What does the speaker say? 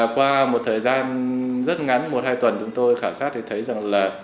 qua một thời gian rất ngắn một hai tuần chúng tôi khảo sát thì thấy rằng là